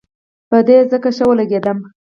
په ده ځکه ښه ولګېدم.